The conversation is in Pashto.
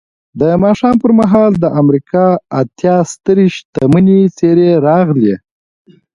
د ماښام پر مهال د امریکا اتیا سترې شتمنې څېرې راغلې